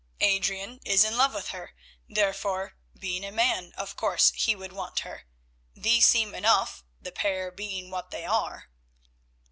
Adrian is in love with her; therefore, being a man, of course he would want her. These seem enough, the pair being what they are."